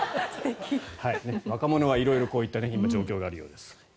若者は色々、今こういった状況があるようです。